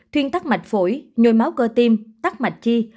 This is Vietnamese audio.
thuyên tắt mạch phổi nhôi máu cơ tim tắt mạch chi